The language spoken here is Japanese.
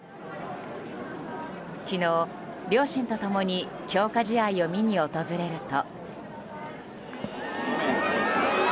昨日、両親と共に強化試合を見に訪れると。